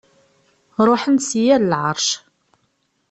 Ṛuḥen-d si yal lɛeṛc.